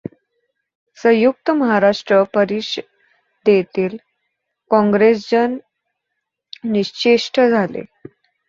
संयुक्त महाराष्ट्र परिषदेतील काँग्रेसजन निश्चेष्ट झाले.